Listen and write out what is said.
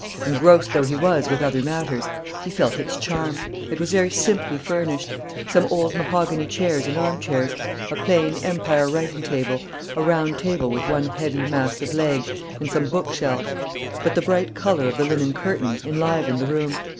Engrossed though he was with other matters, he felt its charm. It was very simply furnished: some old mahogany chairs and armchairs, a plain, Empire writing table, a round table with one heavy, massive leg, and some book shelves. But the bright colour of the linen curtains enlivened the room.